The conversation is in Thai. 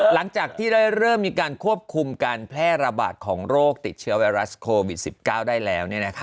หลังจากที่ได้เริ่มมีการควบคุมการแพร่ระบาดของโรคติดเชื้อไวรัสโควิด๑๙ได้แล้ว